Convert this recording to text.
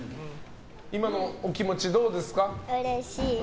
今のお気持ち、どうですか？